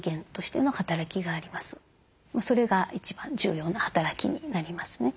それが一番重要な働きになりますね。